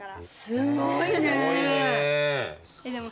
すごいね。